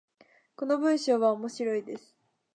この文章は面白いです。